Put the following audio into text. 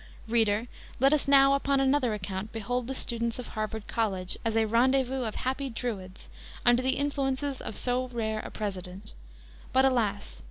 Reader, let us now, upon another account, behold the students of Harvard College, as a rendezvous of happy Druids, under the influences of so rare a president. But, alas!